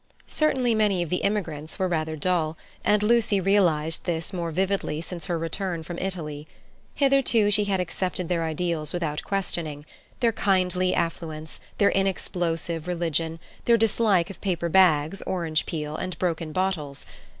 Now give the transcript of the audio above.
Certainly many of the immigrants were rather dull, and Lucy realized this more vividly since her return from Italy. Hitherto she had accepted their ideals without questioning—their kindly affluence, their inexplosive religion, their dislike of paper bags, orange peel, and broken bottles.